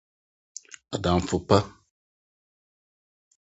Adamfo pa